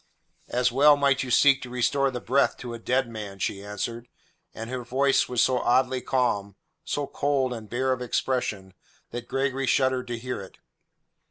"As well might you seek to restore the breath to a dead man," she answered, and her voice was so oddly calm, so cold and bare of expression, that Gregory shuddered to hear it.